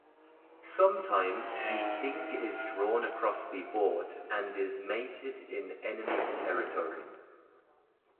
Sometimes the king is drawn across the board and is mated in enemy territory.